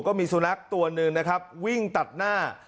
ก็มีสุนัขตัวหนึ่งนะครับวิ่งตัดหน้า